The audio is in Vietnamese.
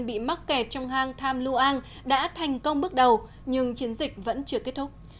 bị mắc kẹt trong hang tham luang đã thành công bước đầu nhưng chiến dịch vẫn chưa kết thúc